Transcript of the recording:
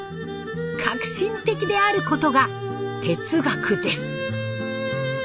革新的であることが哲学です。